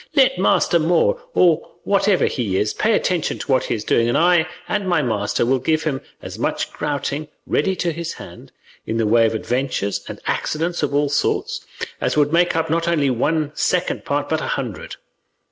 Let master Moor, or whatever he is, pay attention to what he is doing, and I and my master will give him as much grouting ready to his hand, in the way of adventures and accidents of all sorts, as would make up not only one second part, but a hundred.